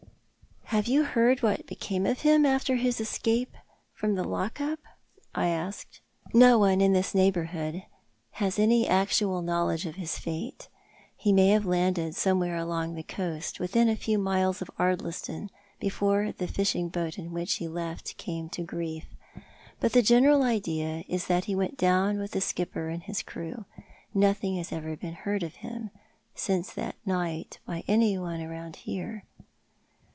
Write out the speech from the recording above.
" Have you heard what became of him after his escape from the lock up? " I asked. " No one in this neighbourhood has any actual knowledge of his fate. He may have been landed somewhere along the coast, within a few miles of Ardliston, before the fishing boat in which he left came to grief ; but the general idea is that he went down with the skipper and his crew. Nothing has ever been beard of him since that night by anyone about here."